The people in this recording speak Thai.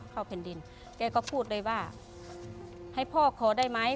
เข้าเพ็ญดินเขาก็พูดเลยว่าให้พ่อขอได้ไหม